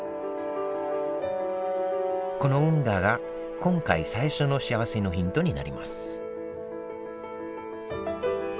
この運河が今回最初のしあわせのヒントになります